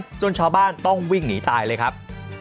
จนชาวบ้านต้องวิ่งหนีตายเลยครับ